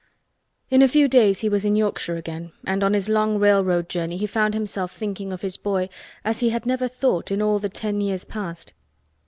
In a few days he was in Yorkshire again, and on his long railroad journey he found himself thinking of his boy as he had never thought in all the ten years past.